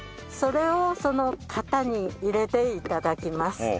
それをその型に入れて頂きます。